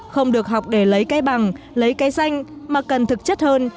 không được học để lấy cây bằng lấy cây xanh mà cần thực chất hơn